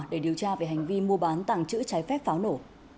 để điều tra về hành vi mua bán tảng chữ trái phép pháo nổ